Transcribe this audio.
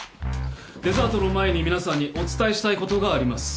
デザートの前に皆さんにお伝えしたいことがあります。